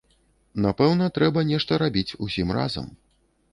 Напэўна, трэба нешта рабіць усім разам.